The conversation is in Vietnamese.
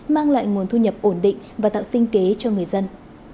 mang lại nguồn thu nhập ổn định và tạo sinh kế cho người dân